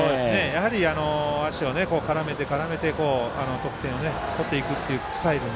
やはり足を絡めて得点を取っていくというスタイル